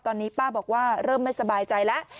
ตอนนี้ป้าบอกว่าเริ่มไม่สบายใจแล้ว